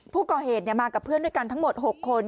ผู้ก่อเหตุมากับเพื่อนด้วยกันทั้งหมด๖คน